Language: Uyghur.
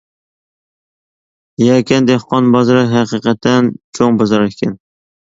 يەكەن دېھقان بازىرى ھەقىقەتەن چوڭ بازار ئىكەن.